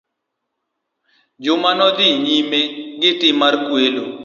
Juma nodhi nyime gitim mar kwelo.